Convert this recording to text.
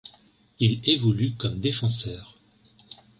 Il évolue comme défenseur.